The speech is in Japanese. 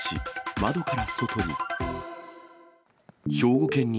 窓から外に。